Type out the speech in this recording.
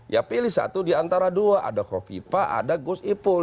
ya pilih satu di antara dua ada krovipa ada gosipul